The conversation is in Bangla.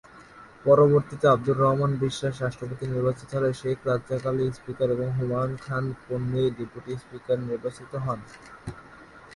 পরবর্তীতে আবদুর রহমান বিশ্বাস রাষ্ট্রপতি নির্বাচিত হলে শেখ রাজ্জাক আলী স্পিকার এবং হুমায়ুন খান পন্নী ডেপুটি স্পিকার নির্বাচিত হন।